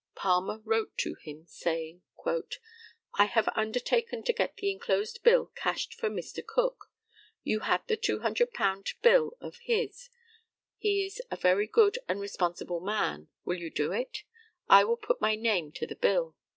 Palmer wrote to him saying, "I have undertaken to get the enclosed bill cashed for Mr. Cook. You had the £200 bill of his. He is a very good and responsible man. Will you do it? I will put my name to the bill."